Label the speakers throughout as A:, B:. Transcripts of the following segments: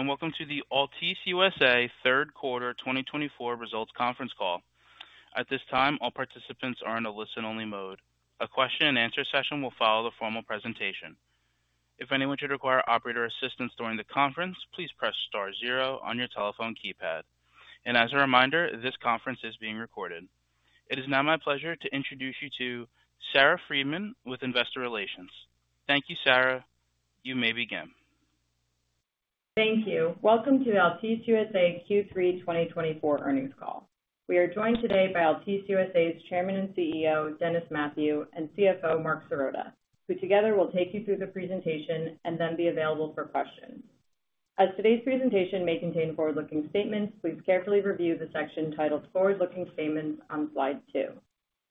A: Welcome to the Altice USA Third Quarter 2024 Results Conference Call. At this time, all participants are in a listen-only mode. A question-and-answer session will follow the formal presentation. If anyone should require operator assistance during the conference, please press star zero on your telephone keypad. As a reminder, this conference is being recorded. It is now my pleasure to introduce you to Sarah Freedman with Investor Relations. Thank you, Sarah. You may begin.
B: Thank you. Welcome to the Altice USA Q3 2024 Earnings Call. We are joined today by Altice USA's Chairman and CEO, Dennis Mathew, and CFO, Marc Sirota, who together will take you through the presentation and then be available for questions. As today's presentation may contain forward-looking statements, please carefully review the section titled Forward-Looking Statements on slide two.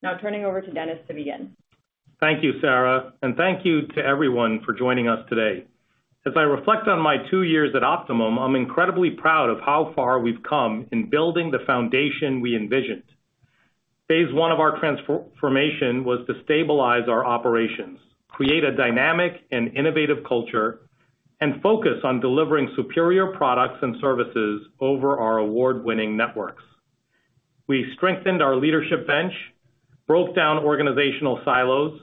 B: Now turning over to Dennis to begin.
C: Thank you, Sarah, and thank you to everyone for joining us today. As I reflect on my two years at Optimum, I'm incredibly proud of how far we've come in building the foundation we envisioned. Phase I of our transformation was to stabilize our operations, create a dynamic and innovative culture, and focus on delivering superior products and services over our award-winning networks. We strengthened our leadership bench, broke down organizational silos,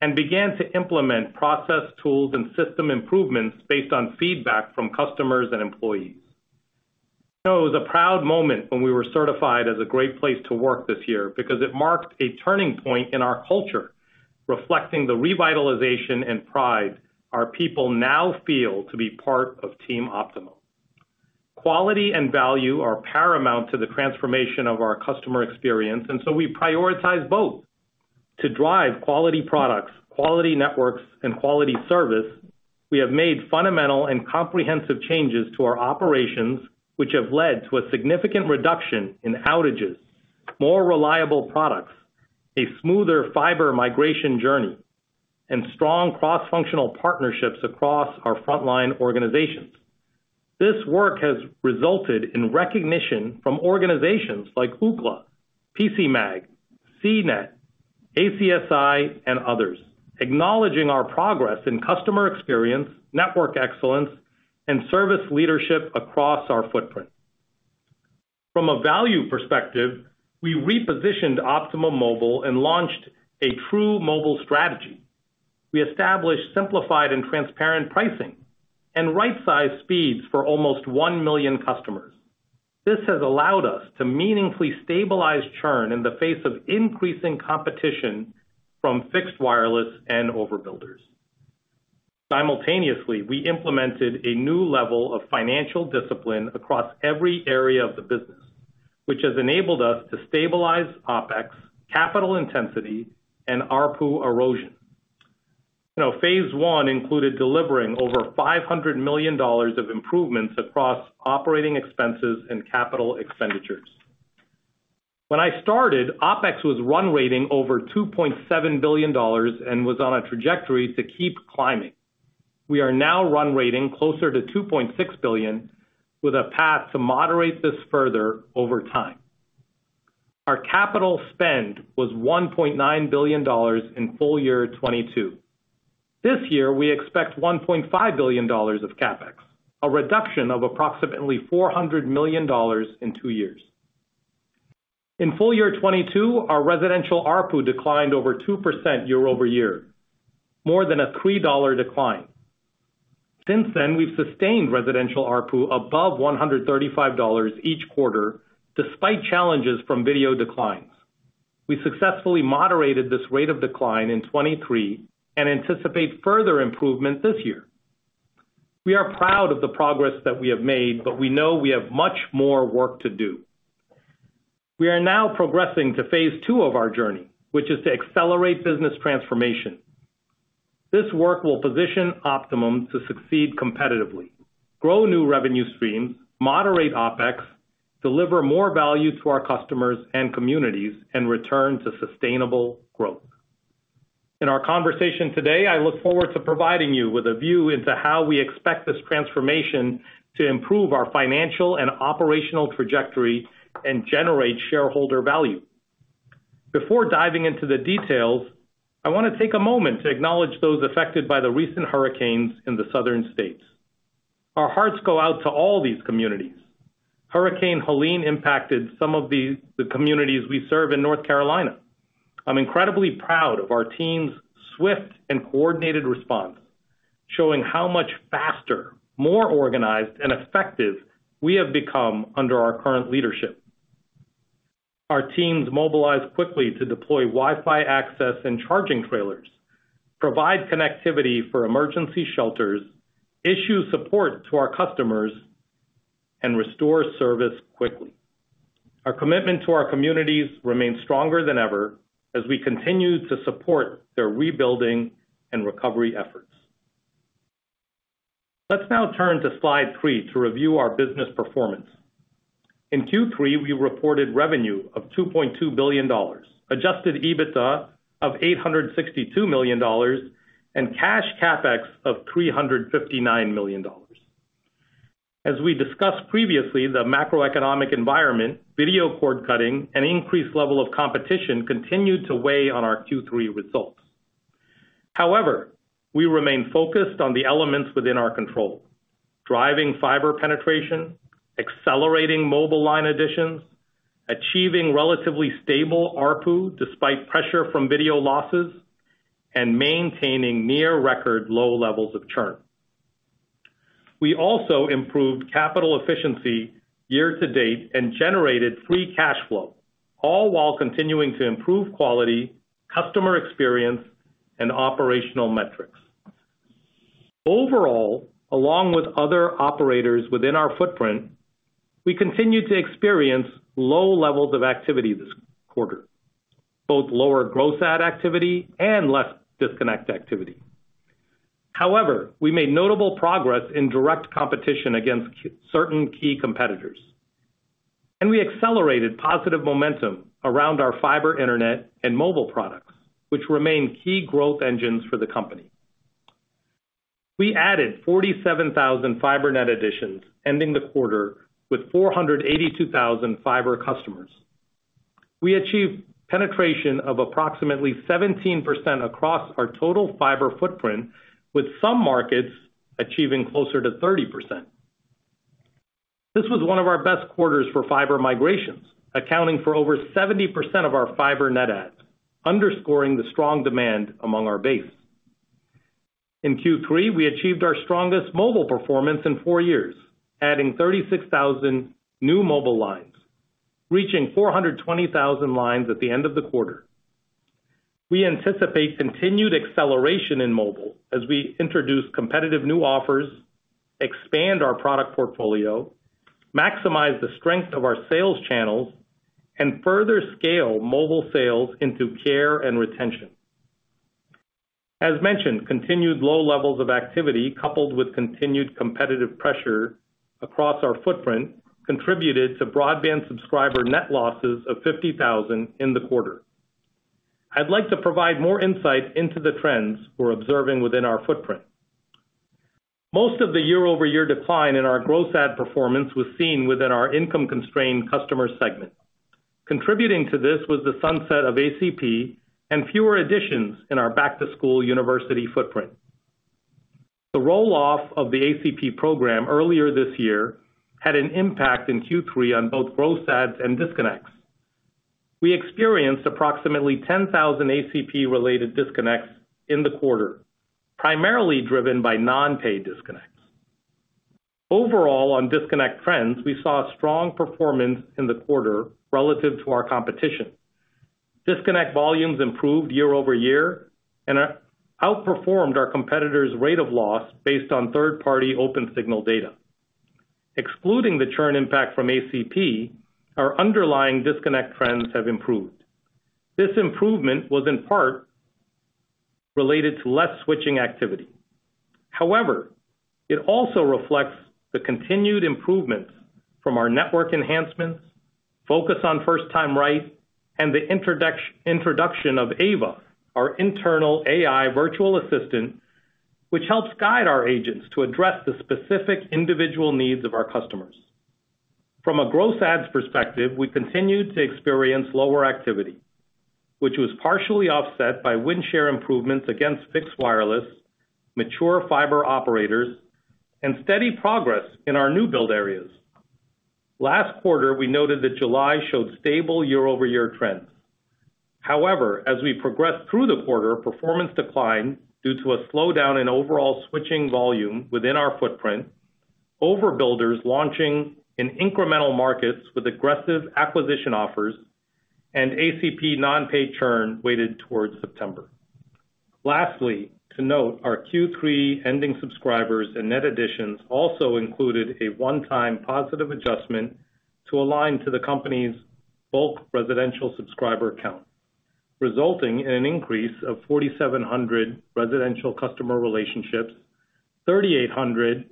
C: and began to implement process tools and system improvements based on feedback from customers and employees. It was a proud moment when we were certified as a great place to work this year because it marked a turning point in our culture, reflecting the revitalization and pride our people now feel to be part of Team Optimum. Quality and value are paramount to the transformation of our customer experience, and so we prioritize both. To drive quality products, quality networks, and quality service, we have made fundamental and comprehensive changes to our operations, which have led to a significant reduction in outages, more reliable products, a smoother fiber migration journey, and strong cross-functional partnerships across our frontline organizations. This work has resulted in recognition from organizations like Ookla, PCMag, CNET, ACSI, and others, acknowledging our progress in customer experience, network excellence, and service leadership across our footprint. From a value perspective, we repositioned Optimum Mobile and launched a true mobile strategy. We established simplified and transparent pricing and right-sized speeds for almost 1 million customers. This has allowed us to meaningfully stabilize churn in the face of increasing competition from fixed wireless and overbuilders. Simultaneously, we implemented a new level of financial discipline across every area of the business, which has enabled us to stabilize OPEX, capital intensity, and ARPU erosion. Phase one included delivering over $500 million of improvements across operating expenses and capital expenditures. When I started, OPEX was run rate over $2.7 billion and was on a trajectory to keep climbing. We are now run rate closer to $2.6 billion, with a path to moderate this further over time. Our capital spend was $1.9 billion in full year 2022. This year, we expect $1.5 billion of CAPEX, a reduction of approximately $400 million in two years. In full year 2022, our residential ARPU declined over 2% year-over-year, more than a $3 decline. Since then, we've sustained residential ARPU above $135 each quarter, despite challenges from video declines. We successfully moderated this rate of decline in 2023 and anticipate further improvement this year. We are proud of the progress that we have made, but we know we have much more work to do. We are now progressing to phase II of our journey, which is to accelerate business transformation. This work will position Optimum to succeed competitively, grow new revenue streams, moderate OPEX, deliver more value to our customers and communities, and return to sustainable growth. In our conversation today, I look forward to providing you with a view into how we expect this transformation to improve our financial and operational trajectory and generate shareholder value. Before diving into the details, I want to take a moment to acknowledge those affected by the recent hurricanes in the southern states. Our hearts go out to all these communities. Hurricane Helene impacted some of the communities we serve in North Carolina. I'm incredibly proud of our team's swift and coordinated response, showing how much faster, more organized, and effective we have become under our current leadership. Our teams mobilized quickly to deploy Wi-Fi access and charging trailers, provide connectivity for emergency shelters, issue support to our customers, and restore service quickly. Our commitment to our communities remains stronger than ever as we continue to support their rebuilding and recovery efforts. Let's now turn to slide three to review our business performance. In Q3, we reported revenue of $2.2 billion, adjusted EBITDA of $862 million, and cash CAPEX of $359 million. As we discussed previously, the macroeconomic environment, video cord cutting, and increased level of competition continued to weigh on our Q3 results. However, we remain focused on the elements within our control: driving fiber penetration, accelerating mobile line additions, achieving relatively stable ARPU despite pressure from video losses, and maintaining near-record low levels of churn. We also improved capital efficiency year to date and generated free cash flow, all while continuing to improve quality, customer experience, and operational metrics. Overall, along with other operators within our footprint, we continue to experience low levels of activity this quarter, both lower gross add activity and less disconnect activity. However, we made notable progress in direct competition against certain key competitors, and we accelerated positive momentum around our fiber internet and mobile products, which remain key growth engines for the company. We added 47,000 fiber net additions, ending the quarter with 482,000 fiber customers. We achieved penetration of approximately 17% across our total fiber footprint, with some markets achieving closer to 30%. This was one of our best quarters for fiber migrations, accounting for over 70% of our fiber net add, underscoring the strong demand among our base. In Q3, we achieved our strongest mobile performance in four years, adding 36,000 new mobile lines, reaching 420,000 lines at the end of the quarter. We anticipate continued acceleration in mobile as we introduce competitive new offers, expand our product portfolio, maximize the strength of our sales channels, and further scale mobile sales into care and retention. As mentioned, continued low levels of activity, coupled with continued competitive pressure across our footprint, contributed to broadband subscriber net losses of 50,000 in the quarter. I'd like to provide more insight into the trends we're observing within our footprint. Most of the year-over-year decline in our gross adds performance was seen within our income-constrained customer segment. Contributing to this was the sunset of ACP and fewer additions in our back-to-school university footprint. The roll-off of the ACP program earlier this year had an impact in Q3 on both gross adds and disconnects. We experienced approximately 10,000 ACP-related disconnects in the quarter, primarily driven by non-pay disconnects. Overall, on disconnect trends, we saw strong performance in the quarter relative to our competition. Disconnect volumes improved year-over-year and outperformed our competitors' rate of loss based on third-party OpenSignal data. Excluding the churn impact from ACP, our underlying disconnect trends have improved. This improvement was in part related to less switching activity. However, it also reflects the continued improvements from our network enhancements, focus on first-time right, and the introduction of Ava, our internal AI virtual assistant, which helps guide our agents to address the specific individual needs of our customers. From a gross adds perspective, we continued to experience lower activity, which was partially offset by win-share improvements against fixed wireless, mature fiber operators, and steady progress in our new build areas. Last quarter, we noted that July showed stable year-over-year trends. However, as we progressed through the quarter, performance declined due to a slowdown in overall switching volume within our footprint, overbuilders launching in incremental markets with aggressive acquisition offers, and ACP non-paid churn weighted towards September. Lastly, to note, our Q3 ending subscribers and net additions also included a one-time positive adjustment to align to the company's bulk residential subscriber count, resulting in an increase of 4,700 residential customer relationships, 3,800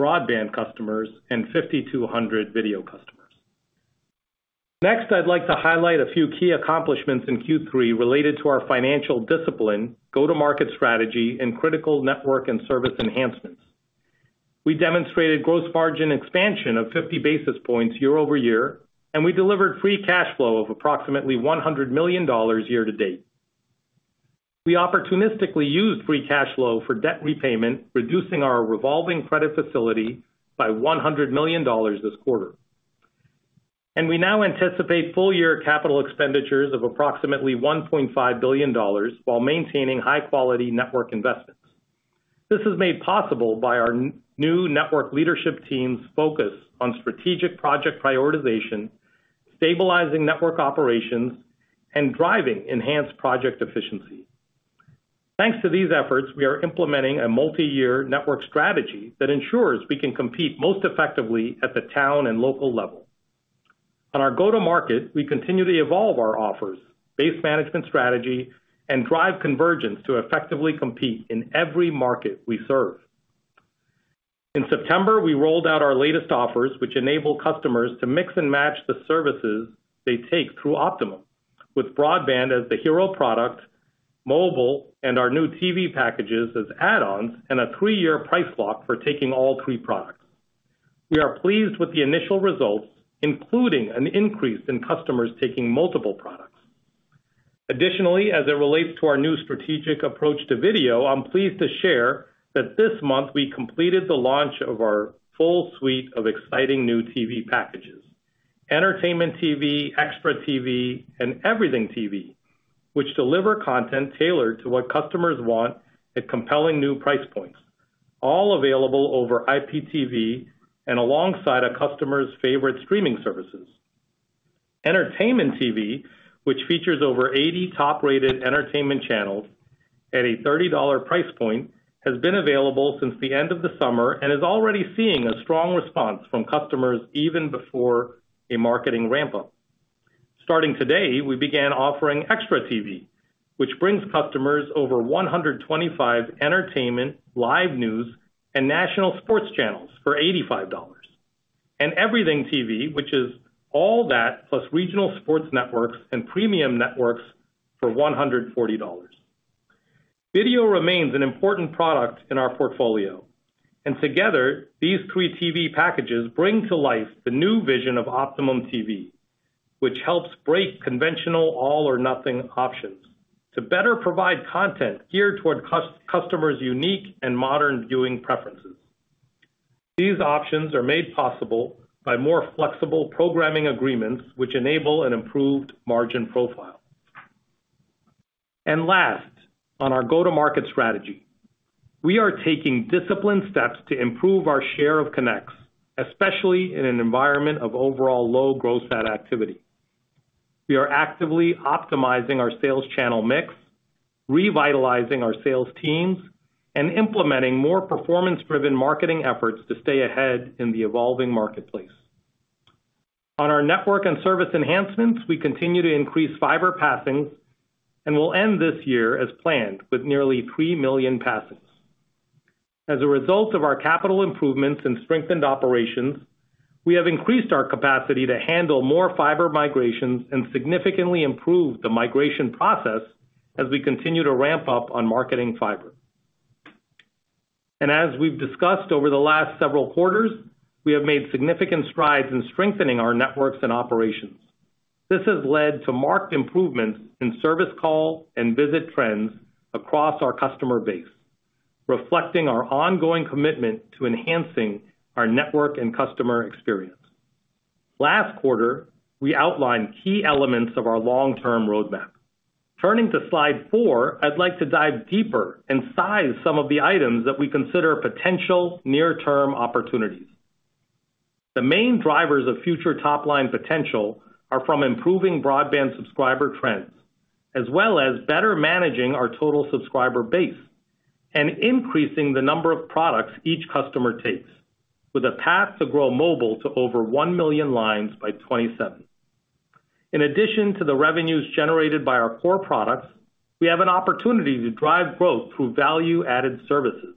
C: broadband customers, and 5,200 video customers. Next, I'd like to highlight a few key accomplishments in Q3 related to our financial discipline, go-to-market strategy, and critical network and service enhancements. We demonstrated gross margin expansion of 50 basis points year-over-year, and we delivered free cash flow of approximately $100 million year to date. We opportunistically used free cash flow for debt repayment, reducing our revolving credit facility by $100 million this quarter. And we now anticipate full-year capital expenditures of approximately $1.5 billion while maintaining high-quality network investments. This is made possible by our new network leadership team's focus on strategic project prioritization, stabilizing network operations, and driving enhanced project efficiency. Thanks to these efforts, we are implementing a multi-year network strategy that ensures we can compete most effectively at the town and local level. On our go-to-market, we continue to evolve our offers, base management strategy, and drive convergence to effectively compete in every market we serve. In September, we rolled out our latest offers, which enable customers to mix and match the services they take through Optimum, with broadband as the hero product, mobile, and our new TV packages as add-ons, and a three-year price lock for taking all three products. We are pleased with the initial results, including an increase in customers taking multiple products. Additionally, as it relates to our new strategic approach to video, I'm pleased to share that this month we completed the launch of our full suite of exciting new TV packages: Entertainment TV, Extra TV, and Everything TV, which deliver content tailored to what customers want at compelling new price points, all available over IPTV and alongside customers' favorite streaming services. Entertainment TV, which features over 80 top-rated entertainment channels at a $30 price point, has been available since the end of the summer and is already seeing a strong response from customers even before a marketing ramp-up. Starting today, we began offering Extra TV, which brings customers over 125 entertainment, live news, and national sports channels for $85, and Everything TV, which is all that plus regional sports networks and premium networks for $140. Video remains an important product in our portfolio, and together, these three TV packages bring to life the new vision of Optimum TV, which helps break conventional all-or-nothing options to better provide content geared toward customers' unique and modern viewing preferences. These options are made possible by more flexible programming agreements, which enable an improved margin profile. And last, on our go-to-market strategy, we are taking disciplined steps to improve our share of connects, especially in an environment of overall low gross add activity. We are actively optimizing our sales channel mix, revitalizing our sales teams, and implementing more performance-driven marketing efforts to stay ahead in the evolving marketplace. On our network and service enhancements, we continue to increase fiber passings and will end this year as planned with nearly 3 million passings. As a result of our capital improvements and strengthened operations, we have increased our capacity to handle more fiber migrations and significantly improved the migration process as we continue to ramp-up on marketing fiber. And as we've discussed over the last several quarters, we have made significant strides in strengthening our networks and operations. This has led to marked improvements in service call and visit trends across our customer base, reflecting our ongoing commitment to enhancing our network and customer experience. Last quarter, we outlined key elements of our long-term roadmap. Turning to slide four, I'd like to dive deeper and size some of the items that we consider potential near-term opportunities. The main drivers of future top-line potential are from improving broadband subscriber trends, as well as better managing our total subscriber base and increasing the number of products each customer takes, with a path to grow mobile to over 1 million lines by 2027. In addition to the revenues generated by our core products, we have an opportunity to drive growth through value-added services.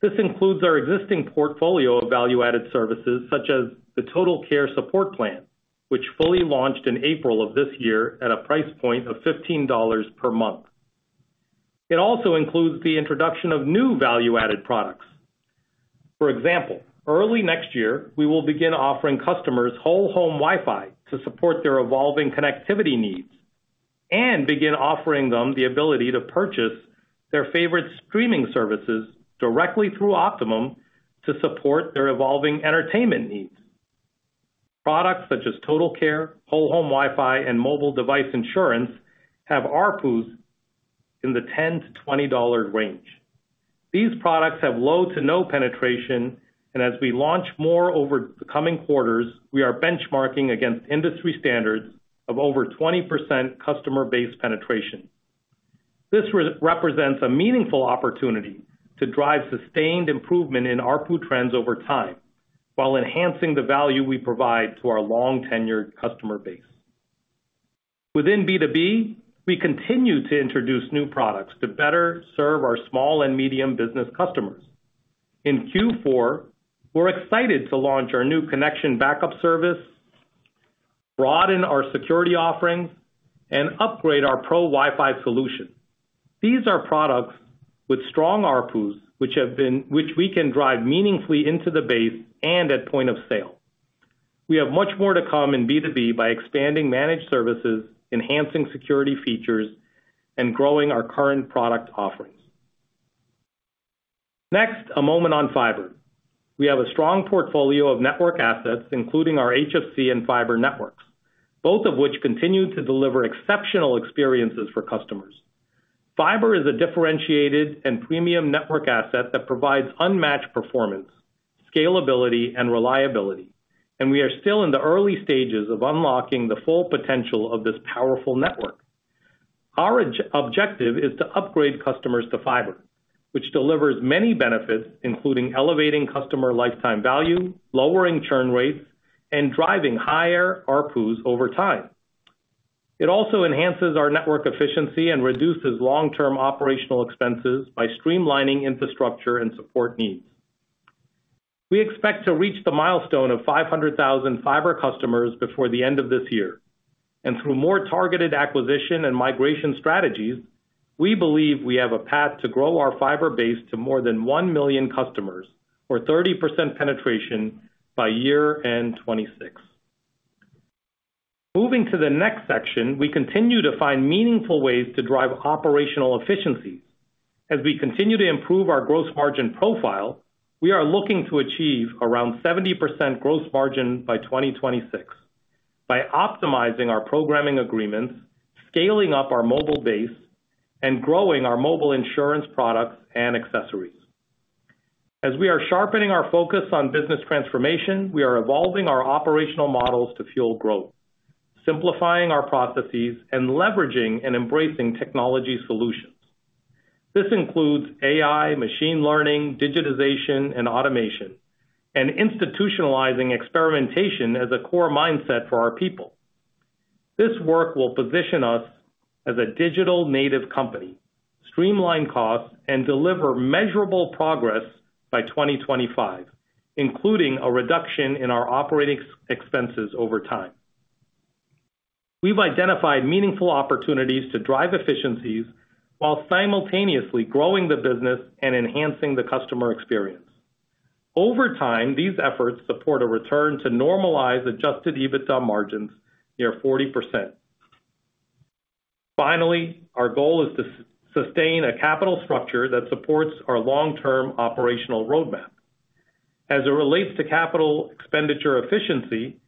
C: This includes our existing portfolio of value-added services, such as the Total Care Support Plan, which fully launched in April of this year at a price point of $15 per month. It also includes the introduction of new value-added products. For example, early next year, we will begin offering customers Whole Home Wi-Fi to support their evolving connectivity needs and begin offering them the ability to purchase their favorite streaming services directly through Optimum to support their evolving entertainment needs. Products such as Total Care, Whole Home Wi-Fi, and mobile device insurance have ARPUs in the $10-$20 range. These products have low to no penetration, and as we launch more over the coming quarters, we are benchmarking against industry standards of over 20% customer base penetration. This represents a meaningful opportunity to drive sustained improvement in ARPU trends over time while enhancing the value we provide to our long-tenured customer base. Within B2B, we continue to introduce new products to better serve our small and medium business customers. In Q4, we're excited to launch our new Connection Backup service, broaden our security offerings, and upgrade our Pro WiFi solution. These are products with strong ARPUs which we can drive meaningfully into the base and at point of sale. We have much more to come in B2B by expanding managed services, enhancing security features, and growing our current product offerings. Next, a moment on fiber. We have a strong portfolio of network assets, including our HFC and fiber networks, both of which continue to deliver exceptional experiences for customers. Fiber is a differentiated and premium network asset that provides unmatched performance, scalability, and reliability, and we are still in the early stages of unlocking the full potential of this powerful network. Our objective is to upgrade customers to fiber, which delivers many benefits, including elevating customer lifetime value, lowering churn rates, and driving higher ARPUs over time. It also enhances our network efficiency and reduces long-term operational expenses by streamlining infrastructure and support needs. We expect to reach the milestone of 500,000 fiber customers before the end of this year, and through more targeted acquisition and migration strategies, we believe we have a path to grow our fiber base to more than 1 million customers or 30% penetration by year end 2026. Moving to the next section, we continue to find meaningful ways to drive operational efficiencies. As we continue to improve our gross margin profile, we are looking to achieve around 70% gross margin by 2026 by optimizing our programming agreements, scaling up our mobile base, and growing our mobile insurance products and accessories. As we are sharpening our focus on business transformation, we are evolving our operational models to fuel growth, simplifying our processes, and leveraging and embracing technology solutions. This includes AI, machine learning, digitization, and automation, and institutionalizing experimentation as a core mindset for our people. This work will position us as a digital-native company, streamline costs, and deliver measurable progress by 2025, including a reduction in our operating expenses over time. We've identified meaningful opportunities to drive efficiencies while simultaneously growing the business and enhancing the customer experience. Over time, these efforts support a return to normalized adjusted EBITDA margins near 40%. Finally, our goal is to sustain a capital structure that supports our long-term operational roadmap. As it relates to capital expenditure efficiency,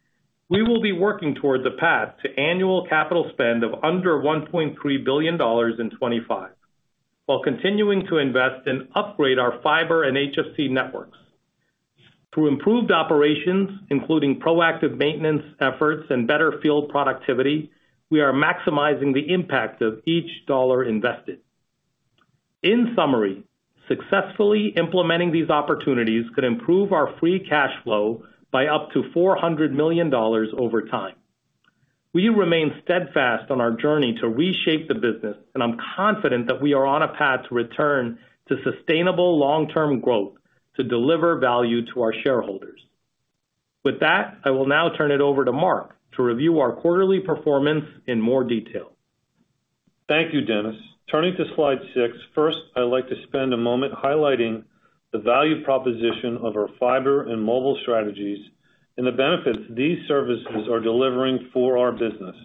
C: we will be working toward the path to annual capital spend of under $1.3 billion in 2025 while continuing to invest and upgrade our fiber and HFC networks. Through improved operations, including proactive maintenance efforts and better field productivity, we are maximizing the impact of each dollar invested. In summary, successfully implementing these opportunities could improve our free cash flow by up to $400 million over time. We remain steadfast on our journey to reshape the business, and I'm confident that we are on a path to return to sustainable long-term growth to deliver value to our shareholders. With that, I will now turn it over to Marc to review our quarterly performance in more detail.
D: Thank you, Dennis. Turning to slide six, first, I'd like to spend a moment highlighting the value proposition of our fiber and mobile strategies and the benefits these services are delivering for our business.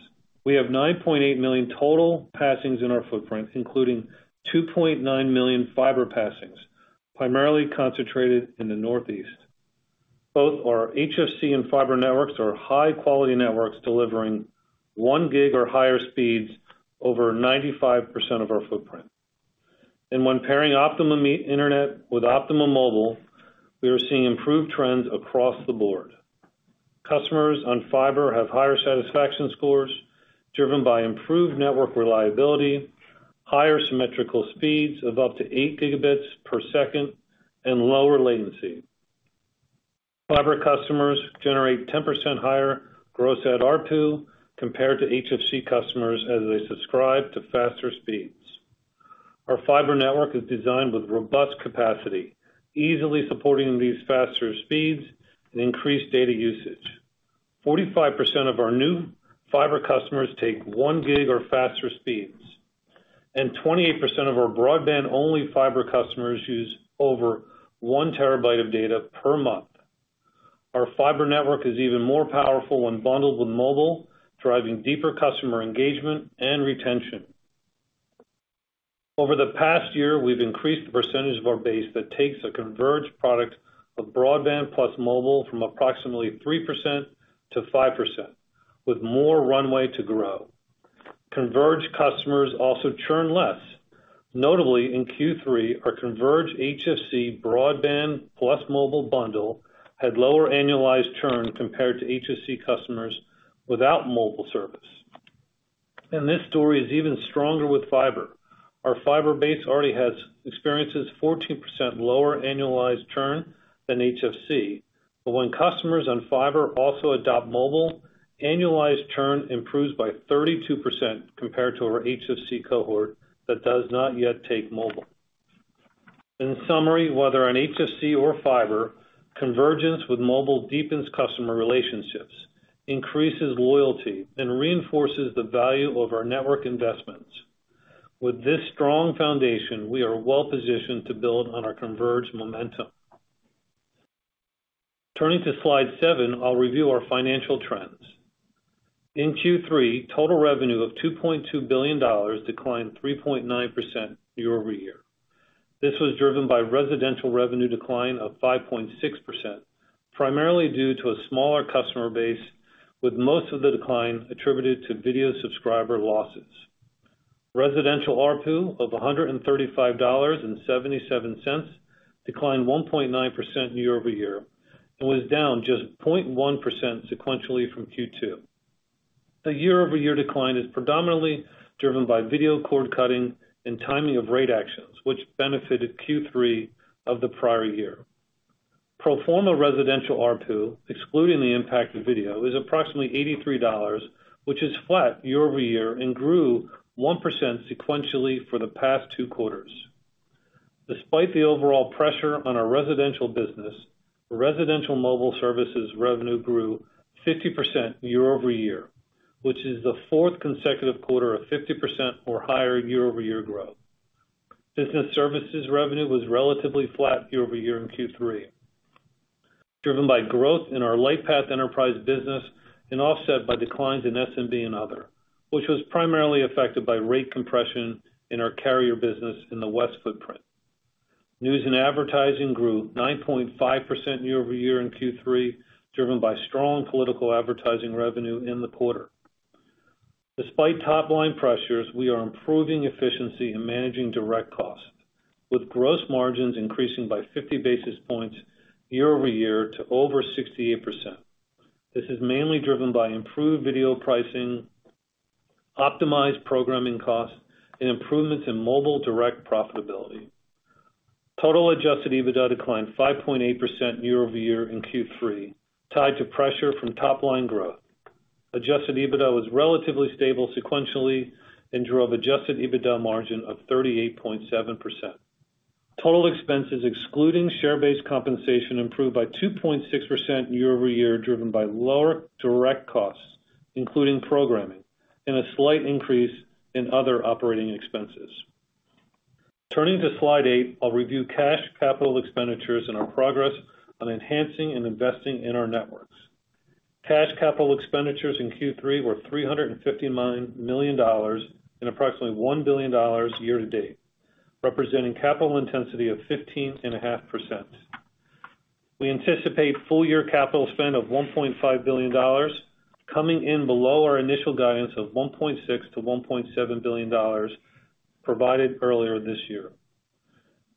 D: We have 9.8 million total passings in our footprint, including 2.9 million fiber passings, primarily concentrated in the Northeast. Both our HFC and fiber networks are high-quality networks delivering 1 gig or higher speeds over 95% of our footprint. When pairing Optimum Internet with Optimum Mobile, we are seeing improved trends across the board. Customers on fiber have higher satisfaction scores driven by improved network reliability, higher symmetrical speeds of up to 8 gigabits per second, and lower latency. Fiber customers generate 10% higher gross add ARPU compared to HFC customers as they subscribe to faster speeds. Our fiber network is designed with robust capacity, easily supporting these faster speeds and increased data usage. 45% of our new fiber customers take 1 gig or faster speeds, and 28% of our broadband-only fiber customers use over 1 TB of data per month. Our fiber network is even more powerful when bundled with mobile, driving deeper customer engagement and retention. Over the past year, we've increased the percentage of our base that takes a converged product of broadband plus mobile from approximately 3% to 5%, with more runway to grow. Converged customers also churn less. Notably, in Q3, our converged HFC broadband plus mobile bundle had lower annualized churn compared to HFC customers without mobile service. And this story is even stronger with fiber. Our fiber base already has experienced a 14% lower annualized churn than HFC, but when customers on fiber also adopt mobile, annualized churn improves by 32% compared to our HFC cohort that does not yet take mobile. In summary, whether on HFC or fiber, convergence with mobile deepens customer relationships, increases loyalty, and reinforces the value of our network investments. With this strong foundation, we are well-positioned to build on our converged momentum. Turning to slide seven, I'll review our financial trends. In Q3, total revenue of $2.2 billion declined 3.9% year-over-year. This was driven by residential revenue decline of 5.6%, primarily due to a smaller customer base, with most of the decline attributed to video subscriber losses. Residential RPU of $135.77 declined 1.9% year-over-year and was down just 0.1% sequentially from Q2. The year-over-year decline is predominantly driven by video cord cutting and timing of rate actions, which benefited Q3 of the prior year. Pro forma residential RPU, excluding the impact of video, is approximately $83, which is flat year-over-year and grew 1% sequentially for the past two quarters. Despite the overall pressure on our residential business, residential mobile services revenue grew 50% year-over-year, which is the fourth consecutive quarter of 50% or higher year-over-year growth. Business services revenue was relatively flat year-over-year in Q3, driven by growth in our Lightpath Enterprise business and offset by declines in SMB and other, which was primarily affected by rate compression in our carrier business in the West footprint. News and advertising grew 9.5% year-over-year in Q3, driven by strong political advertising revenue in the quarter. Despite top-line pressures, we are improving efficiency and managing direct costs, with gross margins increasing by 50 basis points year-over-year to over 68%. This is mainly driven by improved video pricing, optimized programming costs, and improvements in mobile direct profitability. Total adjusted EBITDA declined 5.8% year-over-year in Q3, tied to pressure from top-line growth. Adjusted EBITDA was relatively stable sequentially and drove adjusted EBITDA margin of 38.7%. Total expenses, excluding share-based compensation, improved by 2.6% year-over-year, driven by lower direct costs, including programming, and a slight increase in other operating expenses. Turning to slide eight, I'll review cash capital expenditures and our progress on enhancing and investing in our networks. Cash capital expenditures in Q3 were $359 million and approximately $1 billion year to date, representing capital intensity of 15.5%. We anticipate full-year capital spend of $1.5 billion, coming in below our initial guidance of $1.6-$1.7 billion provided earlier this year.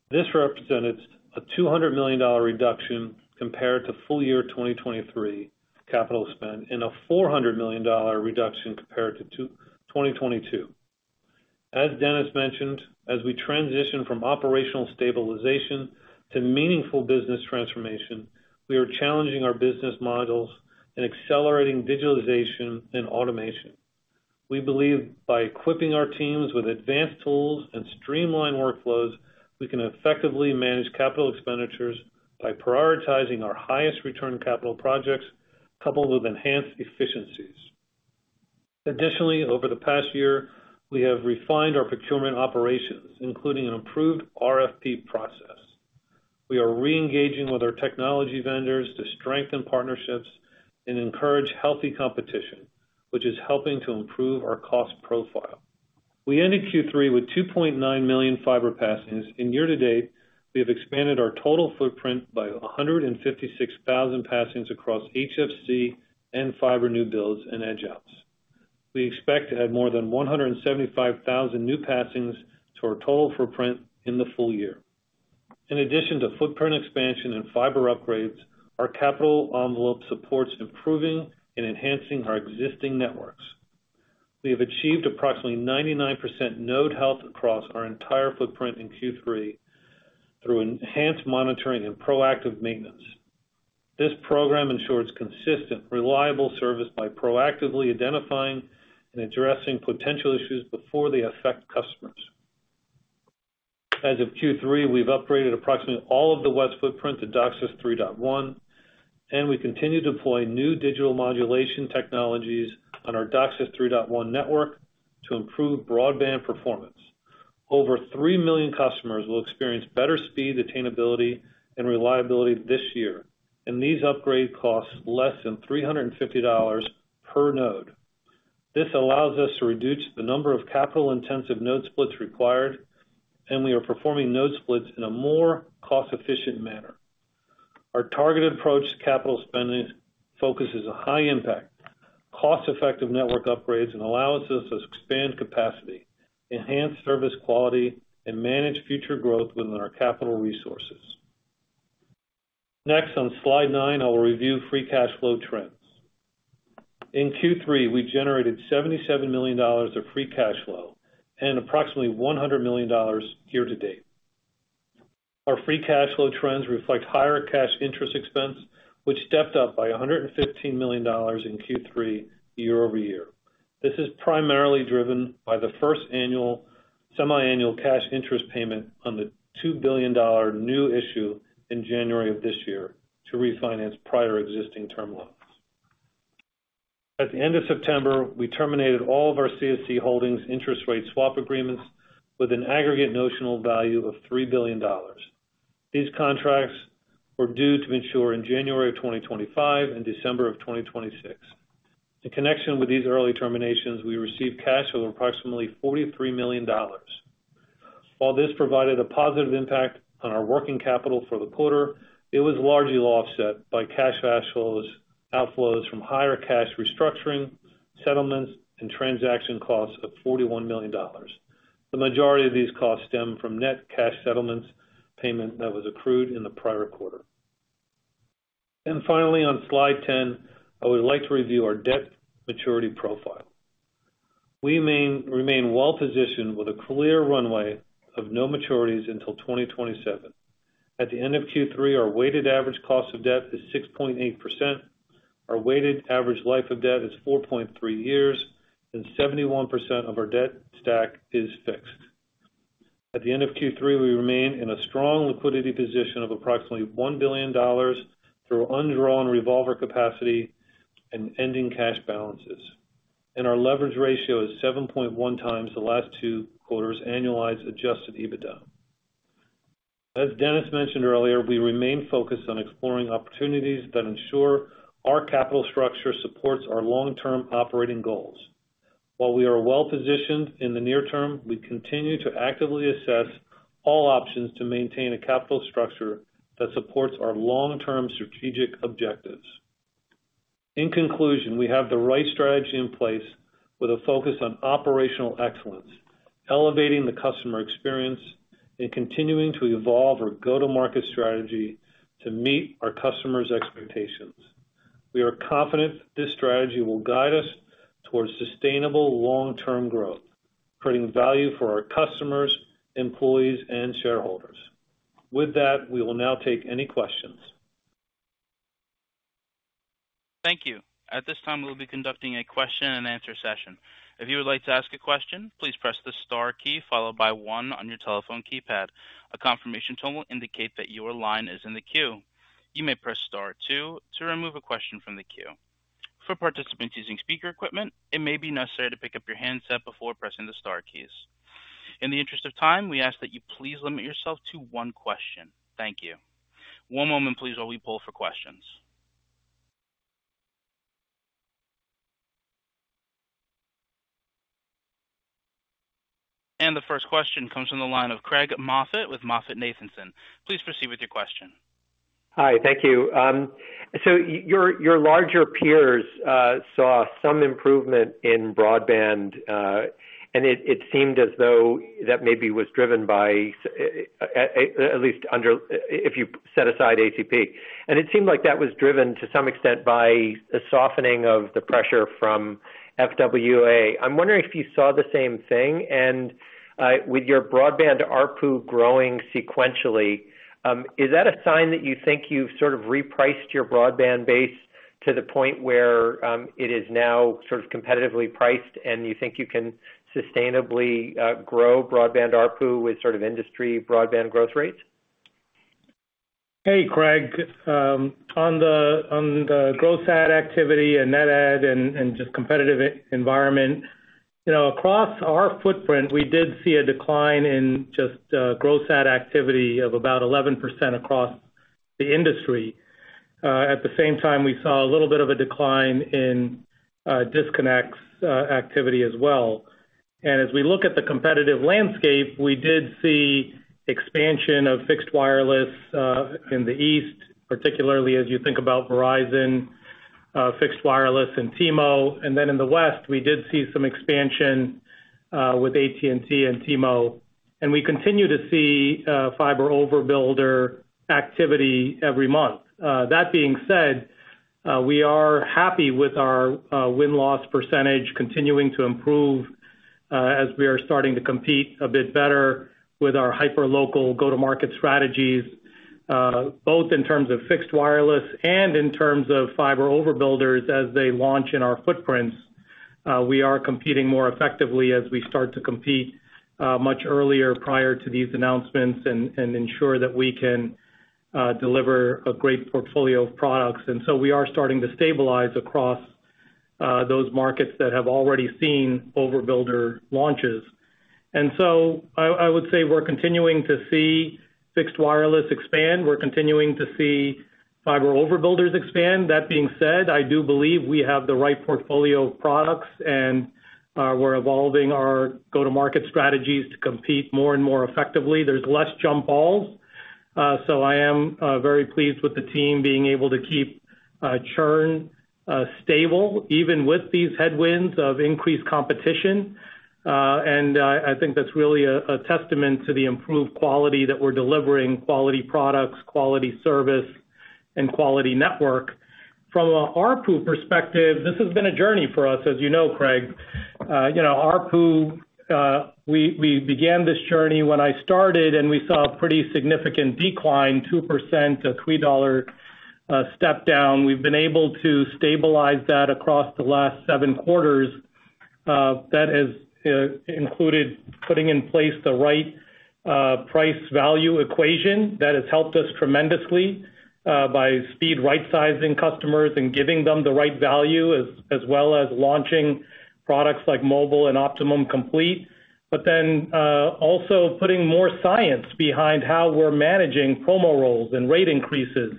D: This represents a $200 million reduction compared to full-year 2023 capital spend and a $400 million reduction compared to 2022. As Dennis mentioned, as we transition from operational stabilization to meaningful business transformation, we are challenging our business models and accelerating digitalization and automation. We believe by equipping our teams with advanced tools and streamlined workflows, we can effectively manage capital expenditures by prioritizing our highest return capital projects coupled with enhanced efficiencies. Additionally, over the past year, we have refined our procurement operations, including an improved RFP process. We are reengaging with our technology vendors to strengthen partnerships and encourage healthy competition, which is helping to improve our cost profile. We ended Q3 with 2.9 million fiber passings, and year to date, we have expanded our total footprint by 156,000 passings across HFC and fiber new builds and edge-outs. We expect to add more than 175,000 new passings to our total footprint in the full year. In addition to footprint expansion and fiber upgrades, our capital envelope supports improving and enhancing our existing networks. We have achieved approximately 99% node health across our entire footprint in Q3 through enhanced monitoring and proactive maintenance. This program ensures consistent, reliable service by proactively identifying and addressing potential issues before they affect customers. As of Q3, we've upgraded approximately all of the West footprint to DOCSIS 3.1, and we continue to deploy new digital modulation technologies on our DOCSIS 3.1 network to improve broadband performance. Over three million customers will experience better speed, attainability, and reliability this year, and these upgrades cost less than $350 per node. This allows us to reduce the number of capital-intensive node splits required, and we are performing node splits in a more cost-efficient manner. Our targeted approach to capital spending focuses on high-impact, cost-effective network upgrades and allows us to expand capacity, enhance service quality, and manage future growth within our capital resources. Next, on slide nine, I'll review free cash flow trends. In Q3, we generated $77 million of free cash flow and approximately $100 million year to date. Our free cash flow trends reflect higher cash interest expense, which stepped up by $115 million in Q3 year-over-year. This is primarily driven by the first annual semiannual cash interest payment on the $2 billion new issue in January of this year to refinance prior existing term loans. At the end of September, we terminated all of our CSC Holdings' interest rate swap agreements with an aggregate notional value of $3 billion. These contracts were due to mature in January of 2025 and December of 2026. In connection with these early terminations, we received cash of approximately $43 million. While this provided a positive impact on our working capital for the quarter, it was largely offset by cash flows outflows from higher cash restructuring, settlements, and transaction costs of $41 million. The majority of these costs stem from net cash settlements payment that was accrued in the prior quarter. Finally, on slide 10, I would like to review our debt maturity profile. We remain well-positioned with a clear runway of no maturities until 2027. At the end of Q3, our weighted average cost of debt is 6.8%. Our weighted average life of debt is 4.3 years, and 71% of our debt stack is fixed. At the end of Q3, we remain in a strong liquidity position of approximately $1 billion through undrawn revolver capacity and ending cash balances. Our leverage ratio is 7.1 times the last two quarters' annualized adjusted EBITDA. As Dennis mentioned earlier, we remain focused on exploring opportunities that ensure our capital structure supports our long-term operating goals. While we are well-positioned in the near term, we continue to actively assess all options to maintain a capital structure that supports our long-term strategic objectives. In conclusion, we have the right strategy in place with a focus on operational excellence, elevating the customer experience, and continuing to evolve our go-to-market strategy to meet our customers' expectations. We are confident this strategy will guide us towards sustainable long-term growth, creating value for our customers, employees, and shareholders. With that, we will now take any questions.
A: Thank you. At this time, we will be conducting a question-and-answer session. If you would like to ask a question, please press the star key followed by one on your telephone keypad. A confirmation tone will indicate that your line is in the queue. You may press star two to remove a question from the queue. For participants using speaker equipment, it may be necessary to pick up your handset before pressing the star keys. In the interest of time, we ask that you please limit yourself to one question. Thank you. One moment, please, while we poll for questions. And the first question comes from the line of Craig Moffett with MoffettNathanson. Please proceed with your question.
E: Hi, thank you. So your larger peers saw some improvement in broadband, and it seemed as though that maybe was driven by, at least if you set aside ACP. And it seemed like that was driven to some extent by the softening of the pressure from FWA. I'm wondering if you saw the same thing. With your broadband RPU growing sequentially, is that a sign that you think you've sort of repriced your broadband base to the point where it is now sort of competitively priced, and you think you can sustainably grow broadband RPU with sort of industry broadband growth rates?
C: Hey, Craig. On the gross add activity and net adds and just competitive environment, across our footprint, we did see a decline in just gross add activity of about 11% across the industry. At the same time, we saw a little bit of a decline in disconnects activity as well. And as we look at the competitive landscape, we did see expansion of fixed wireless in the East, particularly as you think about Verizon fixed wireless and T-Mo. And then in the West, we did see some expansion with AT&T and T-Mo. We continue to see fiber overbuilder activity every month. That being said, we are happy with our win-loss percentage continuing to improve as we are starting to compete a bit better with our hyper-local go-to-market strategies, both in terms of fixed wireless and in terms of fiber overbuilders as they launch in our footprints. We are competing more effectively as we start to compete much earlier prior to these announcements and ensure that we can deliver a great portfolio of products. So we are starting to stabilize across those markets that have already seen overbuilder launches. So I would say we're continuing to see fixed wireless expand. We're continuing to see fiber overbuilders expand. That being said, I do believe we have the right portfolio of products, and we're evolving our go-to-market strategies to compete more and more effectively. There's less jump balls. I am very pleased with the team being able to keep churn stable, even with these headwinds of increased competition. I think that's really a testament to the improved quality that we're delivering: quality products, quality service, and quality network. From our perspective, this has been a journey for us, as you know, Craig. Our ARPU, we began this journey when I started, and we saw a pretty significant decline, 2%, a $3 step down. We've been able to stabilize that across the last seven quarters. That has included putting in place the right price-value equation that has helped us tremendously by speed right-sizing customers and giving them the right value, as well as launching products like mobile and Optimum Complete. But then also putting more science behind how we're managing promo roll-offs and rate increases.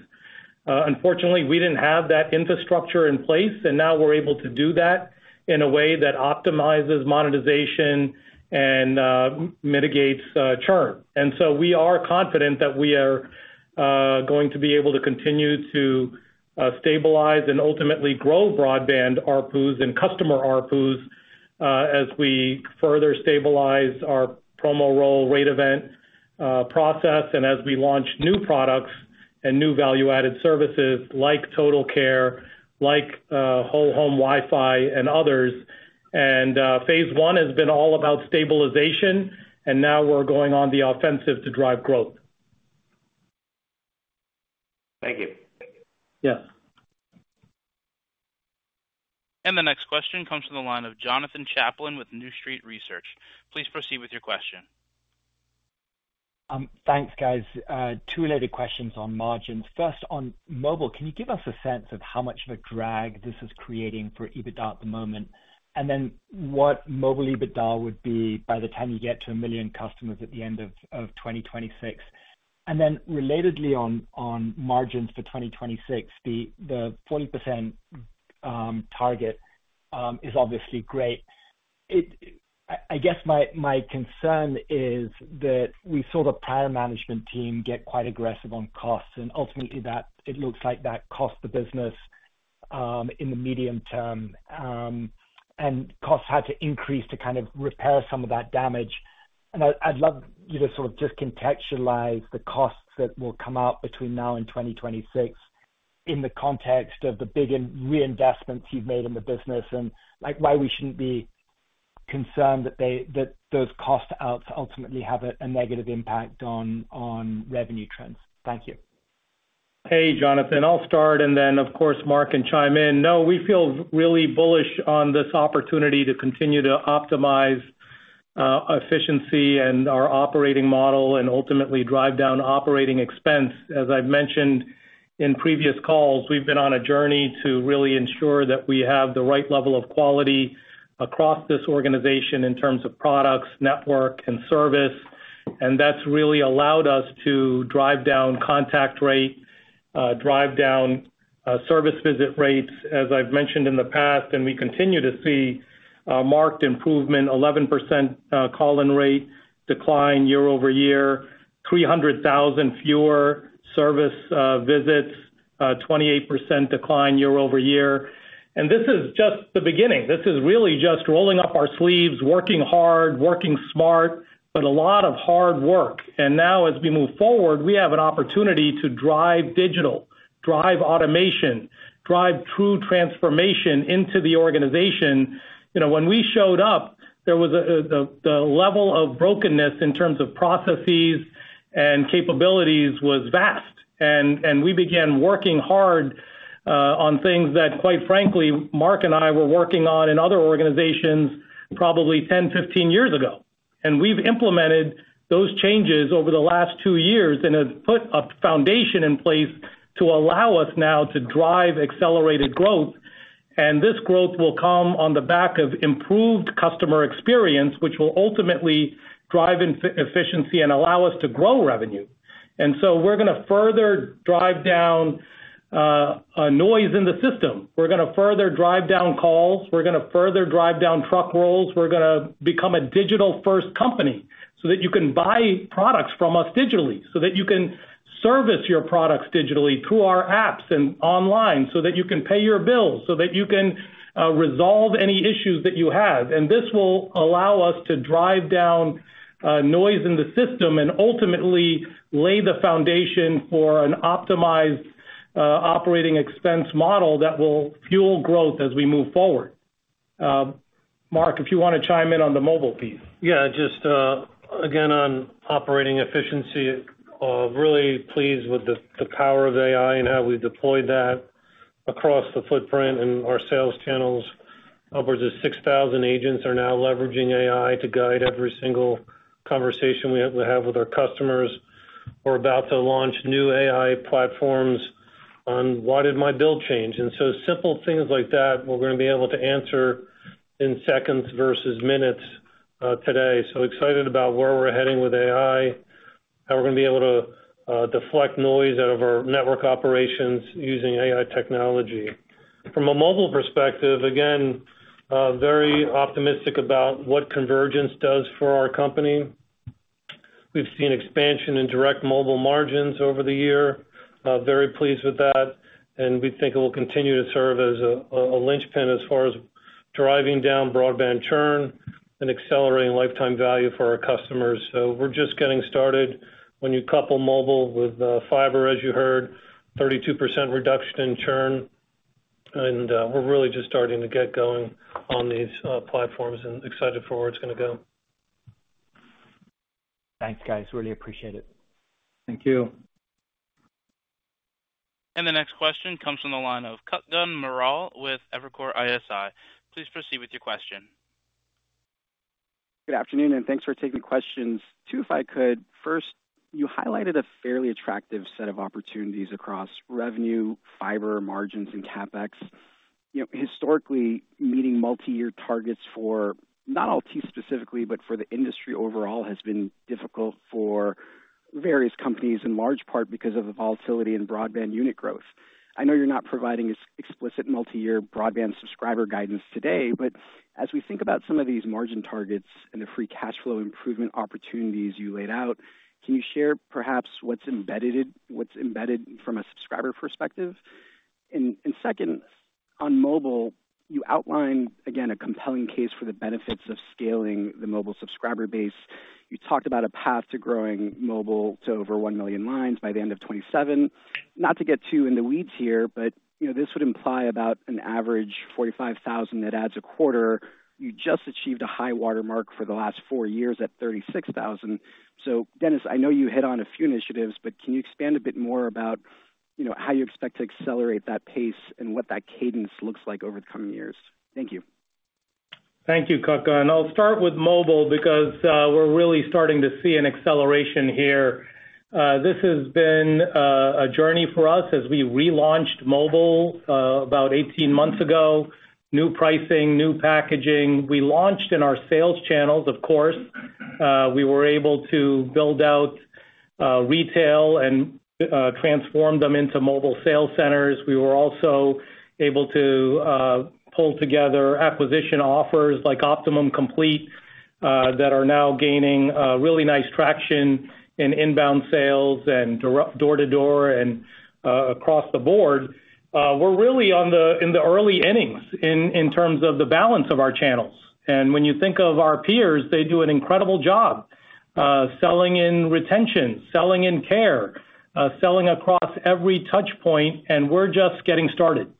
C: Unfortunately, we didn't have that infrastructure in place, and now we're able to do that in a way that optimizes monetization and mitigates churn. And so we are confident that we are going to be able to continue to stabilize and ultimately grow broadband RPUs and customer RPUs as we further stabilize our promo roll-off rate event process and as we launch new products and new value-added services like Total Care, like Whole Home Wi-Fi, and others. And phase I has been all about stabilization, and now we're going on the offensive to drive growth.
E: Thank you.
C: Yes.
A: And the next question comes from the line of Jonathan Chaplin with New Street Research. Please proceed with your question.
F: Thanks, guys. Two related questions on margins. First, on mobile, can you give us a sense of how much of a drag this is creating for EBITDA at the moment? What mobile EBITDA would be by the time you get to a million customers at the end of 2026? Relatedly on margins for 2026, the 40% target is obviously great. I guess my concern is that we saw the prior management team get quite aggressive on costs, and ultimately that it looks like that cost the business in the medium term. Costs had to increase to kind of repair some of that damage. I'd love you to sort of just contextualize the costs that will come out between now and 2026 in the context of the big reinvestments you've made in the business and why we shouldn't be concerned that those cost outs ultimately have a negative impact on revenue trends. Thank you.
C: Hey, Jonathan, I'll start, and then, of course, Marc can chime in. No, we feel really bullish on this opportunity to continue to optimize efficiency and our operating model and ultimately drive down operating expense. As I've mentioned in previous calls, we've been on a journey to really ensure that we have the right level of quality across this organization in terms of products, network, and service. And that's really allowed us to drive down contact rate, drive down service visit rates, as I've mentioned in the past, and we continue to see marked improvement: 11% call-in rate decline year-over-year, 300,000 fewer service visits, 28% decline year-over-year. And this is just the beginning. This is really just rolling up our sleeves, working hard, working smart, but a lot of hard work. And now, as we move forward, we have an opportunity to drive digital, drive automation, drive true transformation into the organization. When we showed up, the level of brokenness in terms of processes and capabilities was vast, and we began working hard on things that, quite frankly, Marc and I were working on in other organizations probably 10, 15 years ago, and we've implemented those changes over the last two years and have put a foundation in place to allow us now to drive accelerated growth, and this growth will come on the back of improved customer experience, which will ultimately drive efficiency and allow us to grow revenue, and so we're going to further drive down noise in the system. We're going to further drive down calls. We're going to further drive down truck rolls. We're going to become a digital-first company so that you can buy products from us digitally, so that you can service your products digitally through our apps and online, so that you can pay your bills, so that you can resolve any issues that you have, and this will allow us to drive down noise in the system and ultimately lay the foundation for an optimized operating expense model that will fuel growth as we move forward. Marc, if you want to chime in on the mobile piece.
D: Yeah, just again on operating efficiency, really pleased with the power of AI and how we've deployed that across the footprint and our sales channels. Upwards of 6,000 agents are now leveraging AI to guide every single conversation we have with our customers. We're about to launch new AI platforms on "Why did my bill change?" And so, simple things like that, we're going to be able to answer in seconds versus minutes today, so excited about where we're heading with AI, how we're going to be able to deflect noise out of our network operations using AI technology. From a mobile perspective, again, very optimistic about what convergence does for our company. We've seen expansion in direct mobile margins over the year. Very pleased with that, and we think it will continue to serve as a linchpin as far as driving down broadband churn and accelerating lifetime value for our customers, so we're just getting started. When you couple mobile with fiber, as you heard, 32% reduction in churn, and we're really just starting to get going on these platforms and excited for where it's going to go.
F: Thanks, guys. Really appreciate it.
C: Thank you.
A: And the next question comes from the line of Kutgun Maral with Evercore ISI. Please proceed with your question.
G: Good afternoon, and thanks for taking questions. If I could, first, you highlighted a fairly attractive set of opportunities across revenue, fiber, margins, and CapEx. Historically, meeting multi-year targets for not all teams specifically, but for the industry overall has been difficult for various companies in large part because of the volatility in broadband unit growth. I know you're not providing explicit multi-year broadband subscriber guidance today, but as we think about some of these margin targets and the free cash flow improvement opportunities you laid out, can you share perhaps what's embedded from a subscriber perspective? And second, on mobile, you outlined, again, a compelling case for the benefits of scaling the mobile subscriber base. You talked about a path to growing mobile to over 1 million lines by the end of 2027. Not to get too in the weeds here, but this would imply about an average 45,000 net adds a quarter. You just achieved a high watermark for the last four years at 36,000. So, Dennis, I know you hit on a few initiatives, but can you expand a bit more about how you expect to accelerate that pace and what that cadence looks like over the coming years? Thank you.
C: Thank you, Kutgun. I'll start with mobile because we're really starting to see an acceleration here. This has been a journey for us as we relaunched mobile about 18 months ago. New pricing, new packaging. We launched in our sales channels, of course. We were able to build out retail and transform them into mobile sales centers. We were also able to pull together acquisition offers like Optimum Complete that are now gaining really nice traction in inbound sales and door-to-door and across the board. We're really in the early innings in terms of the balance of our channels. And when you think of our peers, they do an incredible job selling in retention, selling in care, selling across every touchpoint, and we're just getting started.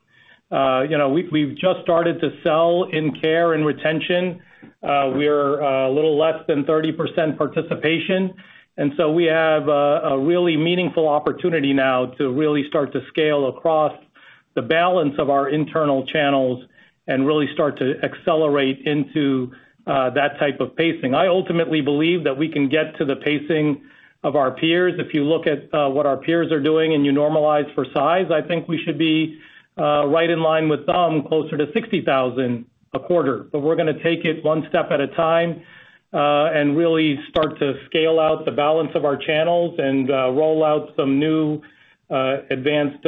C: We've just started to sell in care and retention. We're a little less than 30% participation. And so we have a really meaningful opportunity now to really start to scale across the balance of our internal channels and really start to accelerate into that type of pacing. I ultimately believe that we can get to the pacing of our peers. If you look at what our peers are doing and you normalize for size, I think we should be right in line with them, closer to 60,000 a quarter. But we're going to take it one step at a time and really start to scale out the balance of our channels and roll out some new advanced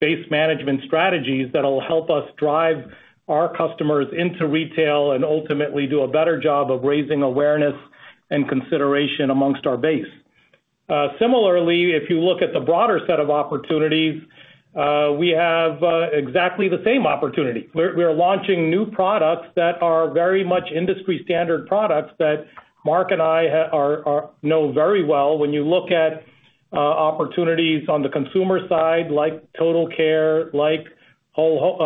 C: base management strategies that will help us drive our customers into retail and ultimately do a better job of raising awareness and consideration amongst our base. Similarly, if you look at the broader set of opportunities, we have exactly the same opportunity. We're launching new products that are very much industry-standard products that Marc and I know very well. When you look at opportunities on the consumer side, like Total Care, like Whole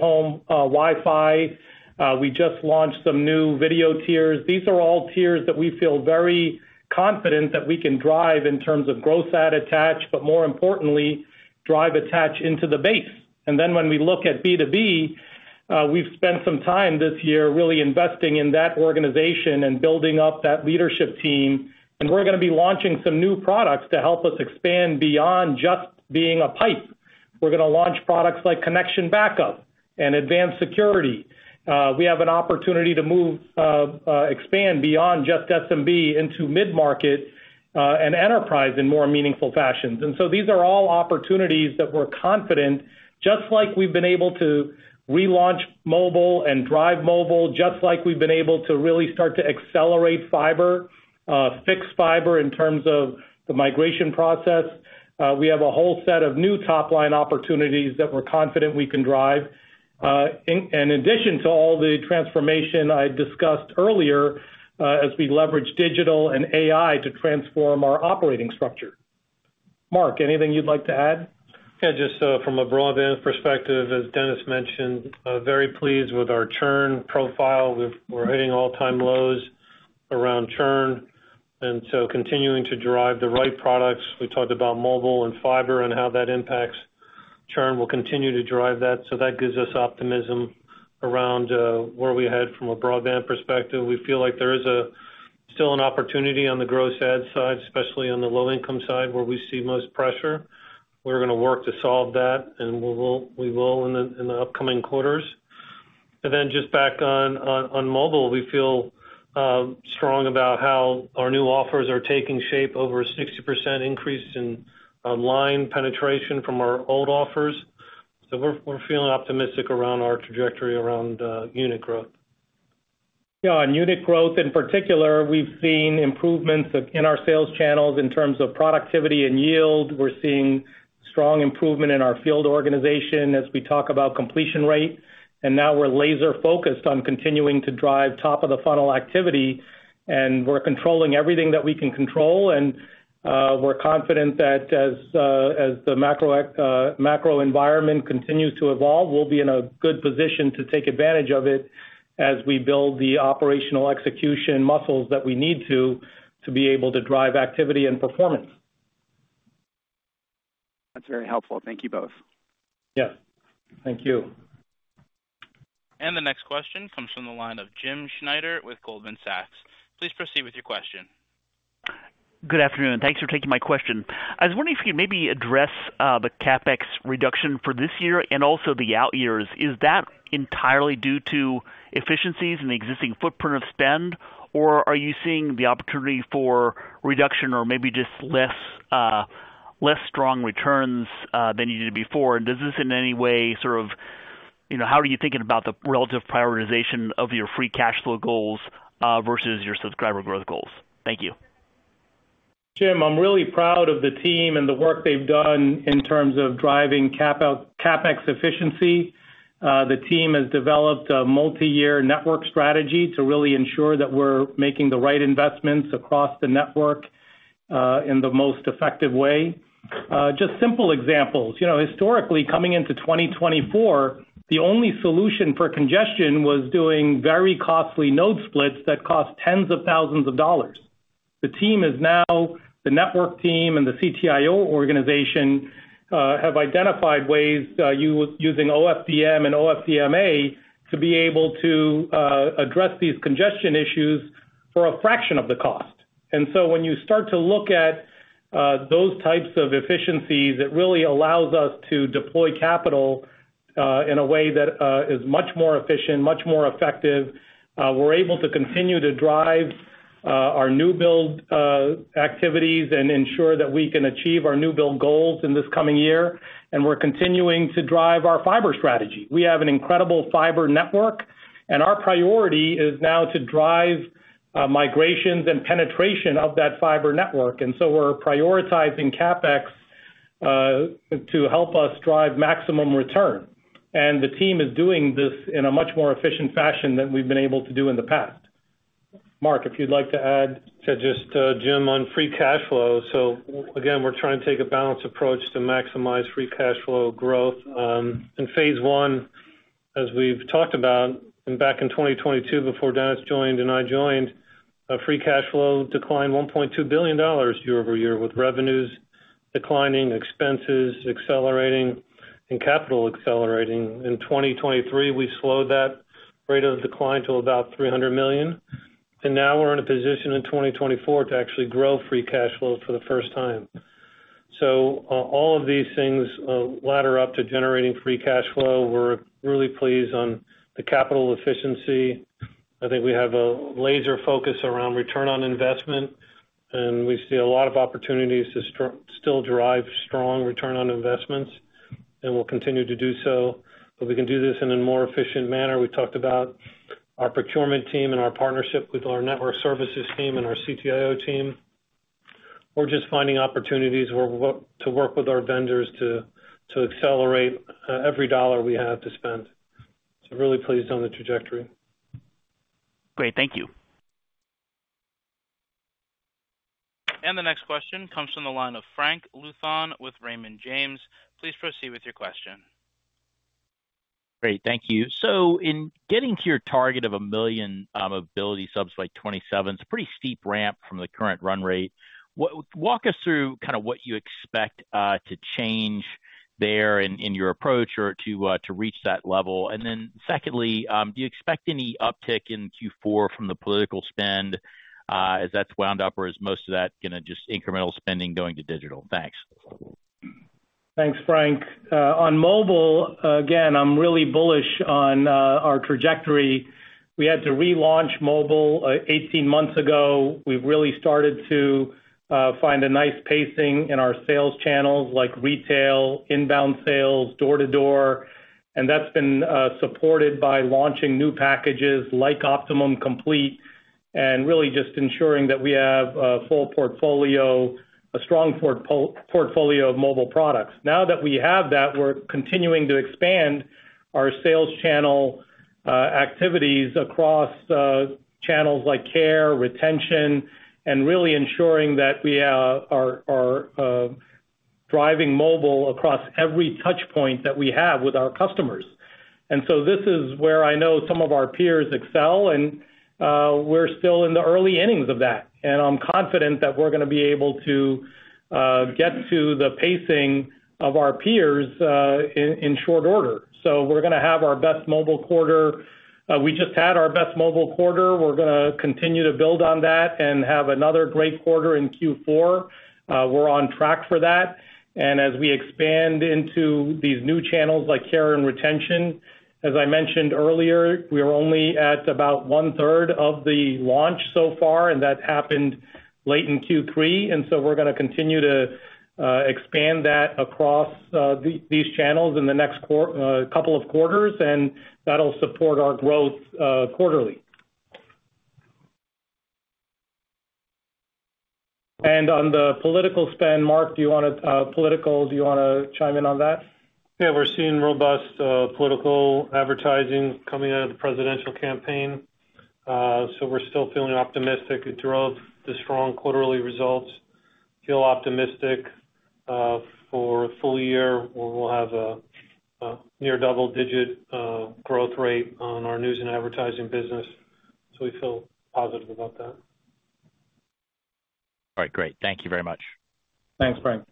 C: Home Wi-Fi, we just launched some new video tiers. These are all tiers that we feel very confident that we can drive in terms of gross add attach, but more importantly, drive attach into the base. And then when we look at B2B, we've spent some time this year really investing in that organization and building up that leadership team. And we're going to be launching some new products to help us expand beyond just being a pipe. We're going to launch products like Connection Backup and advanced security. We have an opportunity to expand beyond just SMB into mid-market and enterprise in more meaningful fashions. And so these are all opportunities that we're confident, just like we've been able to relaunch mobile and drive mobile, just like we've been able to really start to accelerate fiber, fix fiber in terms of the migration process. We have a whole set of new top-line opportunities that we're confident we can drive, in addition to all the transformation I discussed earlier as we leverage digital and AI to transform our operating structure. Marc, anything you'd like to add?
D: Yeah, just from a broadband perspective, as Dennis mentioned, very pleased with our churn profile. We're hitting all-time lows around churn. And so continuing to drive the right products. We talked about mobile and fiber and how that impacts churn. We'll continue to drive that. So that gives us optimism around where we head from a broadband perspective. We feel like there is still an opportunity on the gross add side, especially on the low-income side where we see most pressure. We're going to work to solve that, and we will in the upcoming quarters. And then just back on mobile, we feel strong about how our new offers are taking shape, over a 60% increase in line penetration from our old offers. So we're feeling optimistic around our trajectory around unit growth.
C: Yeah, on unit growth in particular, we've seen improvements in our sales channels in terms of productivity and yield. We're seeing strong improvement in our field organization as we talk about completion rate. And now we're laser-focused on continuing to drive top-of-the-funnel activity. And we're controlling everything that we can control. And we're confident that as the macro environment continues to evolve, we'll be in a good position to take advantage of it as we build the operational execution muscles that we need to be able to drive activity and performance.
G: That's very helpful. Thank you both.
C: Yeah, thank you.
A: The next question comes from the line of Jim Schneider with Goldman Sachs. Please proceed with your question.
H: Good afternoon. Thanks for taking my question. I was wondering if you could maybe address the CapEx reduction for this year and also the out years. Is that entirely due to efficiencies in the existing footprint of spend, or are you seeing the opportunity for reduction or maybe just less strong returns than you did before? And is this in any way sort of how are you thinking about the relative prioritization of your free cash flow goals versus your subscriber growth goals? Thank you.
C: Jim, I'm really proud of the team and the work they've done in terms of driving CapEx efficiency. The team has developed a multi-year network strategy to really ensure that we're making the right investments across the network in the most effective way. Just simple examples. Historically, coming into 2024, the only solution for congestion was doing very costly node splits that cost tens of thousands of dollars. The team is now, the network team and the CTIO organization have identified ways using OFDM and OFDMA to be able to address these congestion issues for a fraction of the cost, and so when you start to look at those types of efficiencies, it really allows us to deploy capital in a way that is much more efficient, much more effective. We're able to continue to drive our new build activities and ensure that we can achieve our new build goals in this coming year, and we're continuing to drive our fiber strategy. We have an incredible fiber network, and our priority is now to drive migrations and penetration of that fiber network, and so we're prioritizing CapEx to help us drive maximum return. And the team is doing this in a much more efficient fashion than we've been able to do in the past. Marc, if you'd like to add.
D: To just Jim on free cash flow. So again, we're trying to take a balanced approach to maximize free cash flow growth. In phase I, as we've talked about, back in 2022, before Dennis joined and I joined, free cash flow declined $1.2 billion year-over-year with revenues declining, expenses accelerating, and capital accelerating. In 2023, we slowed that rate of decline to about $300 million. And now we're in a position in 2024 to actually grow free cash flow for the first time. So all of these things ladder up to generating free cash flow. We're really pleased on the capital efficiency. I think we have a laser focus around return on investment, and we see a lot of opportunities to still drive strong return on investments, and we'll continue to do so. But we can do this in a more efficient manner. We talked about our procurement team and our partnership with our network services team and our CTIO team. We're just finding opportunities to work with our vendors to accelerate every dollar we have to spend. So really pleased on the trajectory.
H: Great. Thank you.
A: And the next question comes from the line of Frank Louthan with Raymond James. Please proceed with your question.
I: Great. Thank you. So in getting to your target of a million mobility subs by 2027, it's a pretty steep ramp from the current run rate. Walk us through kind of what you expect to change there in your approach or to reach that level. And then secondly, do you expect any uptick in Q4 from the political spend as that's wound up, or is most of that going to just incremental spending going to digital? Thanks.
C: Thanks, Frank. On mobile, again, I'm really bullish on our trajectory. We had to relaunch mobile 18 months ago. We've really started to find a nice pacing in our sales channels like retail, inbound sales, door-to-door. And that's been supported by launching new packages like Optimum Complete and really just ensuring that we have a full portfolio, a strong portfolio of mobile products. Now that we have that, we're continuing to expand our sales channel activities across channels like care, retention, and really ensuring that we are driving mobile across every touchpoint that we have with our customers. And so this is where I know some of our peers excel, and we're still in the early innings of that. And I'm confident that we're going to be able to get to the pacing of our peers in short order. So we're going to have our best mobile quarter. We just had our best mobile quarter. We're going to continue to build on that and have another great quarter in Q4. We're on track for that. And as we expand into these new channels like care and retention, as I mentioned earlier, we are only at about one-third of the launch so far, and that happened late in Q3. And so we're going to continue to expand that across these channels in the next couple of quarters, and that'll support our growth quarterly. And on the political spend, Marc, do you want to political, do you want to chime in on that?
D: Yeah, we're seeing robust political advertising coming out of the presidential campaign. So we're still feeling optimistic. It drove the strong quarterly results. Feel optimistic for a full year where we'll have a near double-digit growth rate on our news and advertising business. So we feel positive about that.
I: All right. Great. Thank you very much.
D: Thanks, Frank.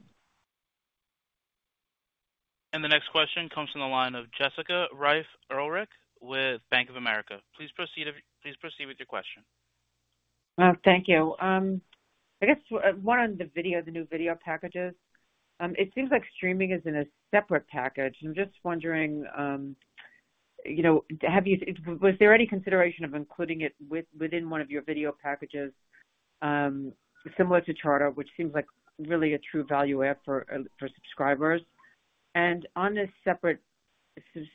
A: And the next question comes from the line of Jessica Reif Ehrlich with Bank of America. Please proceed with your question.
J: Thank you. I guess one on the video, the new video packages. It seems like streaming is in a separate package. I'm just wondering, was there any consideration of including it within one of your video packages similar to Charter, which seems like really a true value add for subscribers? On this separate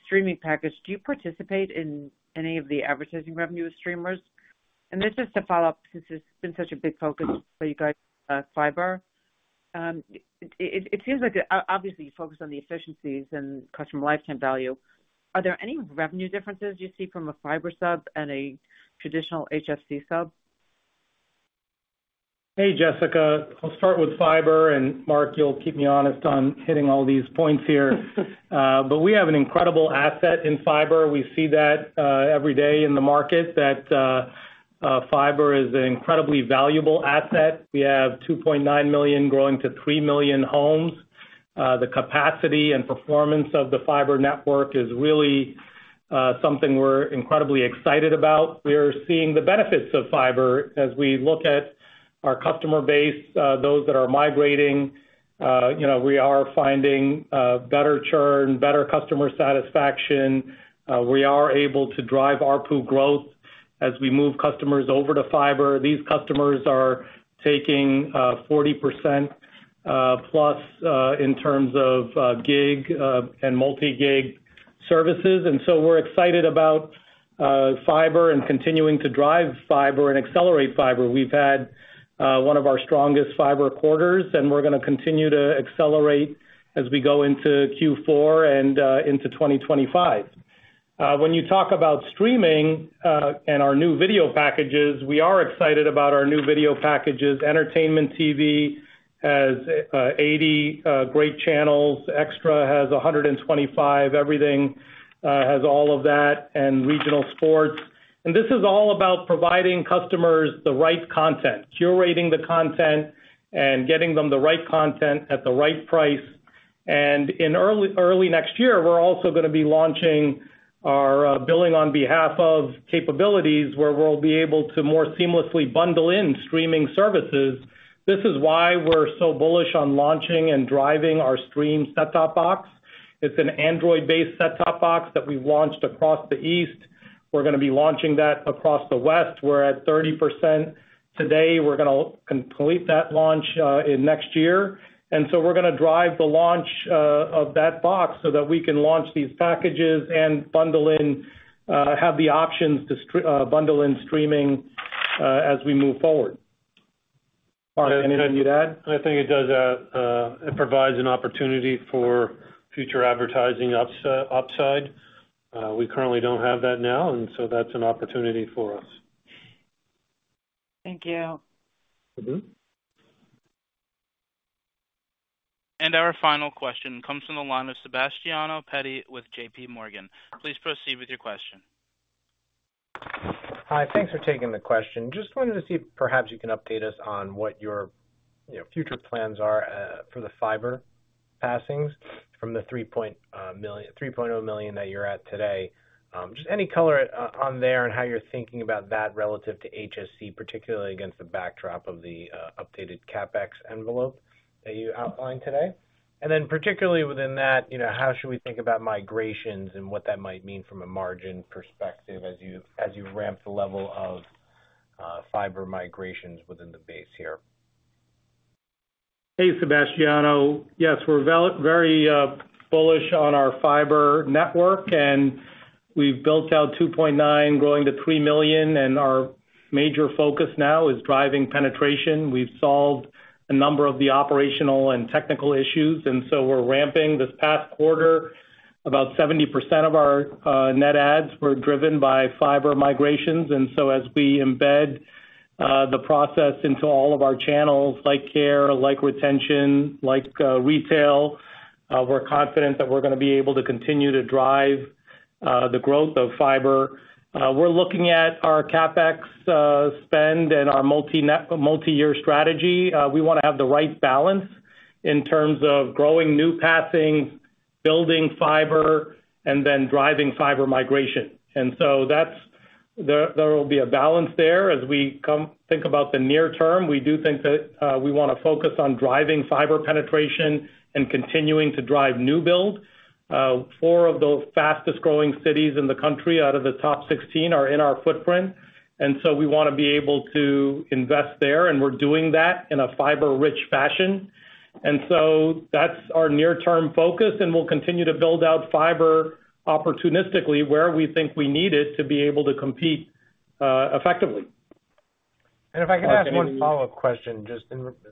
J: streaming package, do you participate in any of the advertising revenue of streamers? This is to follow up since it's been such a big focus for you guys with fiber. It seems like obviously you focus on the efficiencies and customer lifetime value. Are there any revenue differences you see from a fiber sub and a traditional HFC sub?
C: Hey, Jessica. I'll start with fiber, and Marc, you'll keep me honest on hitting all these points here. We have an incredible asset in fiber. We see that every day in the market that fiber is an incredibly valuable asset. We have 2.9 million growing to 3 million homes. The capacity and performance of the fiber network is really something we're incredibly excited about. We're seeing the benefits of fiber as we look at our customer base, those that are migrating. We are finding better churn, better customer satisfaction. We are able to drive our ARPU growth as we move customers over to fiber. These customers are taking 40% plus in terms of gig and multi-gig services, and so we're excited about fiber and continuing to drive fiber and accelerate fiber. We've had one of our strongest fiber quarters, and we're going to continue to accelerate as we go into Q4 and into 2025. When you talk about streaming and our new video packages, we are excited about our new video packages. Entertainment TV has 80 great channels, Extra has 125, Everything has all of that, and regional sports, and this is all about providing customers the right content, curating the content, and getting them the right content at the right price. In early next year, we're also going to be launching our billing on behalf of capabilities where we'll be able to more seamlessly bundle in streaming services. This is why we're so bullish on launching and driving our Stream set-top box. It's an Android-based set-top box that we've launched across the East. We're going to be launching that across the West. We're at 30% today. We're going to complete that launch next year. And so we're going to drive the launch of that box so that we can launch these packages and bundle in, have the options to bundle in streaming as we move forward. Marc, anything you'd add?
D: I think it does add, it provides an opportunity for future advertising upside. We currently don't have that now, and so that's an opportunity for us.
J: Thank you.
A: Our final question comes from the line of Sebastiano Petti with JPMorgan. Please proceed with your question.
K: Hi. Thanks for taking the question. Just wanted to see if perhaps you can update us on what your future plans are for the fiber passings from the 3.0 million that you're at today. Just any color on there and how you're thinking about that relative to HFC, particularly against the backdrop of the updated CapEx envelope that you outlined today. And then particularly within that, how should we think about migrations and what that might mean from a margin perspective as you ramp the level of fiber migrations within the base here?
C: Hey, Sebastiano. Yes, we're very bullish on our fiber network, and we've built out 2.9, growing to 3 million, and our major focus now is driving penetration. We've solved a number of the operational and technical issues, and so we're ramping this past quarter. About 70% of our net adds were driven by fiber migrations. And so as we embed the process into all of our channels, like care, like retention, like retail, we're confident that we're going to be able to continue to drive the growth of fiber. We're looking at our CapEx spend and our multi-year strategy. We want to have the right balance in terms of growing new passings, building fiber, and then driving fiber migration. And so there will be a balance there as we think about the near term. We do think that we want to focus on driving fiber penetration and continuing to drive new build. Four of the fastest growing cities in the country out of the top 16 are in our footprint. And so we want to be able to invest there, and we're doing that in a fiber-rich fashion. And so that's our near-term focus, and we'll continue to build out fiber opportunistically where we think we need it to be able to compete effectively.
K: And if I can ask one follow-up question, just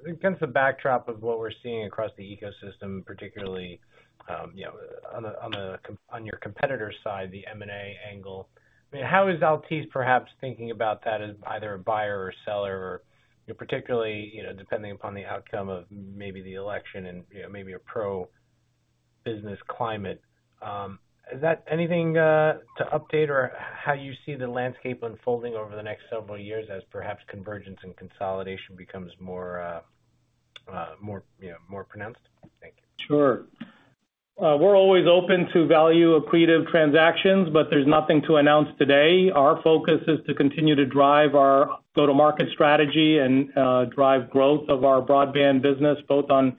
K: against the backdrop of what we're seeing across the ecosystem, particularly on your competitor side, the M&A angle. I mean, how is Altice perhaps thinking about that as either a buyer or seller, particularly depending upon the outcome of maybe the election and maybe a pro-business climate? Is that anything to update or how you see the landscape unfolding over the next several years as perhaps convergence and consolidation becomes more pronounced? Thank you.
C: Sure. We're always open to value accretive transactions, but there's nothing to announce today. Our focus is to continue to drive our go-to-market strategy and drive growth of our broadband business both on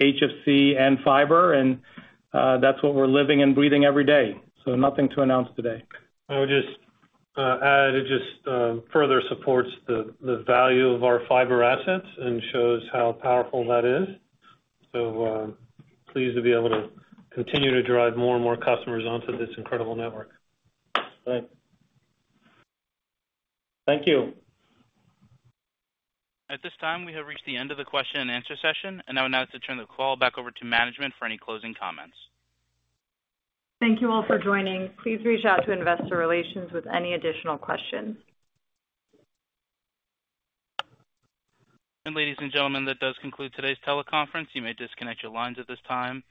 C: HFC and fiber, and that's what we're living and breathing every day, so nothing to announce today.
D: I would just add it just further supports the value of our fiber assets and shows how powerful that is, so pleased to be able to continue to drive more and more customers onto this incredible network.
K: Thanks.
A: Thank you. At this time, we have reached the end of the question-and-answer session, and I will now turn the call back over to management for any closing comments.
B: Thank you all for joining. Please reach out to investor relations with any additional questions.
A: Ladies and gentlemen, that does conclude today's teleconference. You may disconnect your lines at this time.